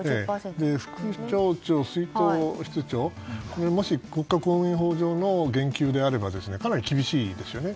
副町長、出納室長のカットはもし国家公務員法上の減給であればかなり厳しいですね。